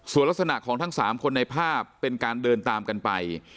ส่วนลักษณะของทั้ง๓คนในภาพเป็นการเดินตามกันไป